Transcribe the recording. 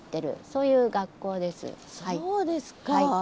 そうですか。